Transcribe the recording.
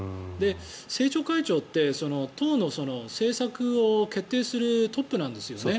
政調会長って党の政策を決定するトップなんですよね。